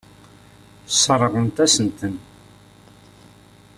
Sseṛɣent-asen-ten.